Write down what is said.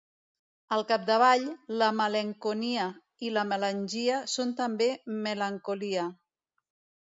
Al capdavall, la malenconia i la melangia són, també, melancolia.